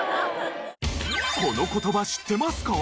この言葉知ってますか？